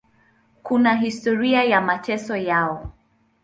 Kuna historia ya mateso yao.